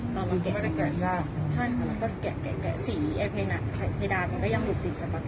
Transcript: แล้วเราก็แกะสีในด้านมันก็ยังหลุดติดสประเภท